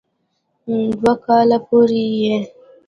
دوؤ کالو پورې ئې